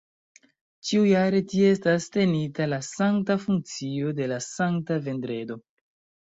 Ĉiujare tie estas tenita la sankta funkcio de la Sankta Vendredo.